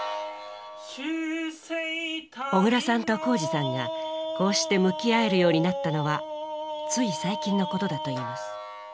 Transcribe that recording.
小椋さんと宏司さんがこうして向き合えるようになったのはつい最近のことだといいます。